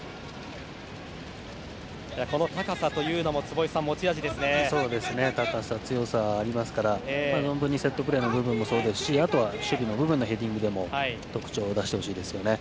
この高さというのも、坪井さん高さ、強さがありますから存分にセットプレーの部分もそうだし守備の部分でヘディングでも特徴を出してほしいですね。